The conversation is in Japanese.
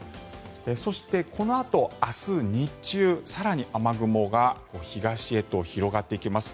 そして、このあと明日日中更に雨雲が東へと広がっていきます。